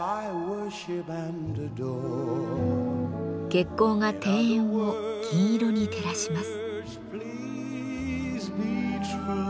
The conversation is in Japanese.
月光が庭園を銀色に照らします。